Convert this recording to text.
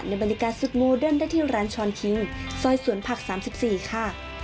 บรรยากาศสุดโมเดิร์นได้ที่ร้านช้อนคิงซอยสวนผัก๓๔ค่ะ